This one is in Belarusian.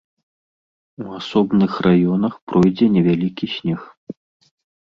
У асобных раёнах пройдзе невялікі снег.